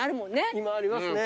今ありますね。